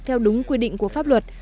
theo đúng quy định của pháp luật